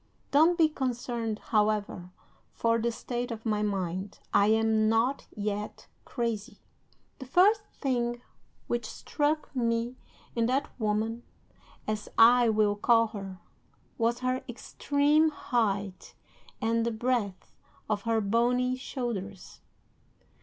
Don't be concerned, however, for the state of my mind. I am not yet crazy! "'The first thing which struck me in that WOMAN, as I will call her, was her extreme height and the breadth of her bony shoulders.